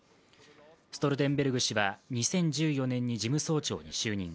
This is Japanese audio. ストルテンベルグ氏は２０１４年に事務総長に就任。